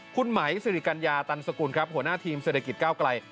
คุณไหมสิริกัญญาตันสกุลครับหัวหน้าทีมเศรษฐกิจก้าวไกล